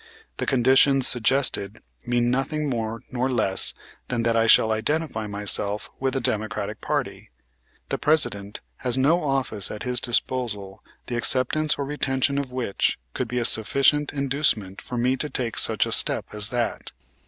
The conditions suggested mean nothing more nor less than that I shall identify myself with the Democratic party. The President has no office at his disposal the acceptance or retention of which could be a sufficient inducement for me to take such a step as that.